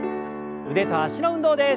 腕と脚の運動です。